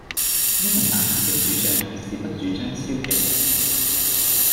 因爲那時的主將是不主張消極的。